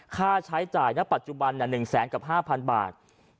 ค่าใช้จ่ายณปัจจุบัน๑แสนกับ๕๐๐บาท